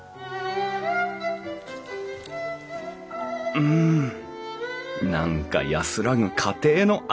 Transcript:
うん何か安らぐ家庭の味。